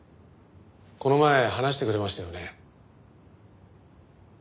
この前話してくれましたよね。